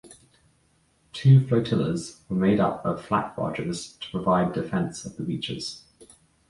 Two flotillas were made up of "flak barges" to provide defence of the beaches.